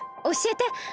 おしえて。